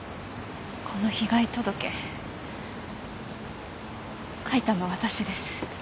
この被害届書いたのは私です。